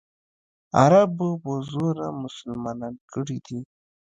عربو په زوره مسلمانان کړي دي.